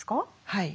はい。